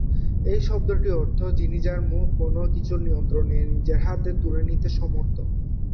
এই শব্দটির অর্থ যিনি যাঁর মুখ কোনো কিছুর নিয়ন্ত্রণ নিজের হাতে তুলে নিতে সমর্থ।